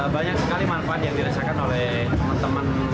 banyak sekali manfaat yang dirasakan oleh teman teman